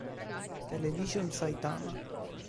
Television Saitama